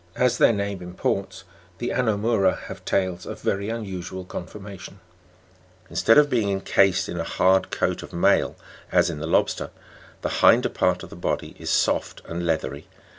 As their name imports, the Anomou'ra have tails of very unusual conformation ; instead of being encased in a hard coat of mail, as in the lobster, the hinder part of the body is soft and leathery.